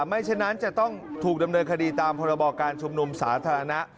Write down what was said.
ฉะนั้นจะต้องถูกดำเนินคดีตามพรบการชุมนุมสาธารณะ